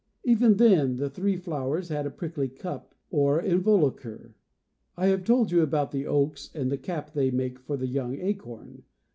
Even then the three flowers had a prickly cup, or involucre. I have told you about the oaks and the cap they make for the young acorn.